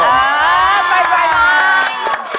อ๋อเป็นรายไม้